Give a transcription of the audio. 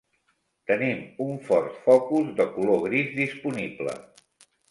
Tenim un Ford Focus de color gris disponible.